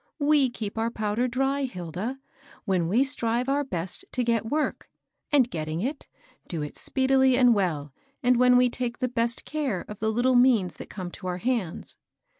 We keep our powder dry, Hilda, when we strive our best to get work, and, getting it, do it speedily and well, and when we take the best care of the little means that come to our hands.